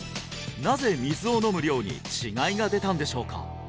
なぜ水を飲む量に違いが出たんでしょうか？